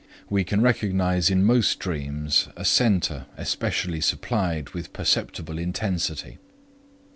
We can recognize in most dreams a center especially supplied with perceptible intensity.